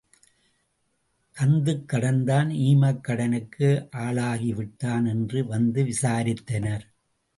கந்துக்கடன்தான் ஈமக்கடனுக்கு ஆளாகிவிட்டான் என்று வந்து விசாரித்தனர்.